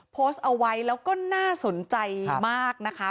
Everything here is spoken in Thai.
โพสต์เอาไว้แล้วก็น่าสนใจมากนะคะ